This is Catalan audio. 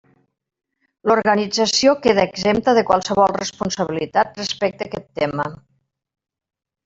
L'organització queda exempta de qualsevol responsabilitat respecte a aquest tema.